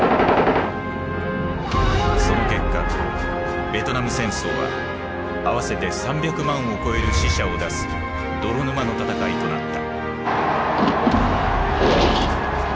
その結果ベトナム戦争は合わせて３００万を超える死者を出す泥沼の戦いとなった。